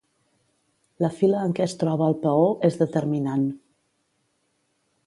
La fila en què es troba el peó és determinant.